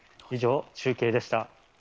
以上、中継でした。